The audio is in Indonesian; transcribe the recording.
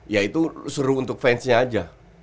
ya itu seru untuk fansnya aja